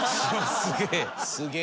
すげえ！